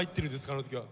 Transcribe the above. あの時は。